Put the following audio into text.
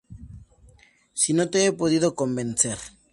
si no te he podido convencer